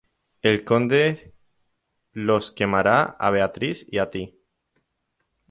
El Conde los quemara a Beatrice y a ti.